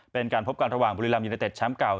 เป็นการพบกันทางบุรีลำยูเนตเต็ดแชมป์เก่า